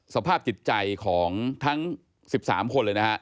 สภาพจิตใจของทั้ง๑๓คนเลยนะฮะ